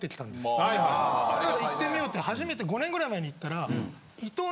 だから行ってみようって初めて５年ぐらい前に行ったら。